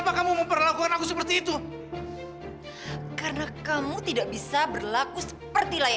aku gak telatkan dateng ya